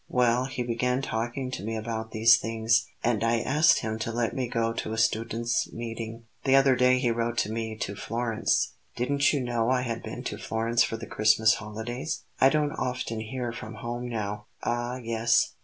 "Well, he began talking to me about these things; and I asked him to let me go to a students' meeting. The other day he wrote to me to Florence Didn't you know I had been to Florence for the Christmas holidays?" "I don't often hear from home now." "Ah, yes!